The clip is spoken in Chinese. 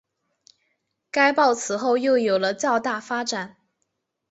该报此后又有了较大发展。